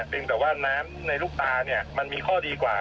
เป็นแต่ว่าน้ำในลูกตาเนี่ยมันมีข้อดีกว่า